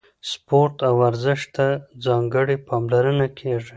سپورت او ورزش ته ځانګړې پاملرنه کیږي.